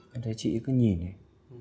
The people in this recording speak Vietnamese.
em thấy chị ấy cứ nhìn ấy